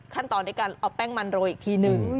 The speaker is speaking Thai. ขั้นต่อด้วยกันเอาแป้งมันรออีกทีนึง